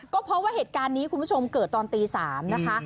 ก็เพราะว่าเหตุการณ์นี้คุณผู้ชมเกิดตอนตี๓นะคะ